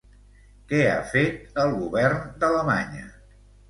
Què ha fet el govern d'Alemanya?